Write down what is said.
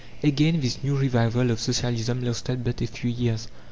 Again this new revival of Socialism lasted but a few years.